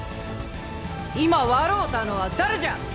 今笑うたのは誰じゃ！